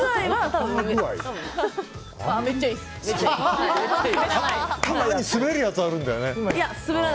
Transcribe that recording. たまに滑るやつあるんだよね。